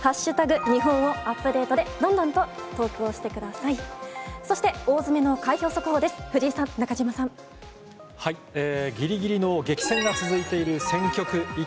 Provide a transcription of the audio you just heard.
日本をアップデートで、どんどんと投稿をしてください。